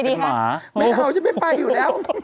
บ้านแม่เอ้าฉันไม่ไปอยู่แล้ว